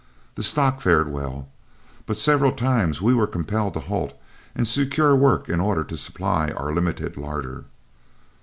The stock fared well, but several times we were compelled to halt and secure work in order to supply our limited larder.